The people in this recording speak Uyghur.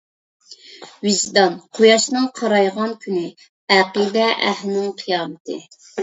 ۋىجدان قۇياشىنىڭ قارايغان كۈنى ئەقىدە ئەھلىنىڭ قىيامىتى.